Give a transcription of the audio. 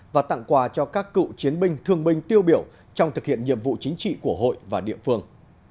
và tặng quà cho các cựu chiến binh thương binh tiêu biểu trong thực hiện nhiệm vụ chính trị của hội và địa phương